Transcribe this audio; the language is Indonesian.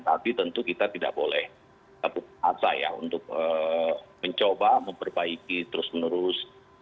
tapi tentu kita tidak boleh terpaksa ya untuk mencoba memperbaiki terus menerus